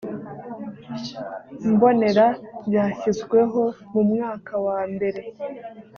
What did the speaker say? mbonera byashyizweho mu mwaka wa mbere